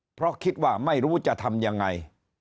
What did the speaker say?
เพราะคิดว่าไม่รู้จะทำยังไง